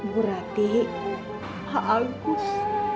bu ratih pak agus